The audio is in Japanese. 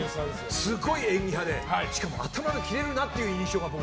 すごい演技派でしかも頭がキレるなっていう印象が。